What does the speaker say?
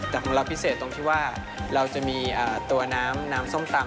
แต่ของเราพิเศษตรงที่ว่าเราจะมีตัวน้ำส้มตำ